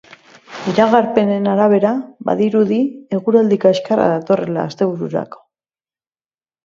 Iragarpenen arabera, badirudi eguraldi kaskarra datorrela astebururako.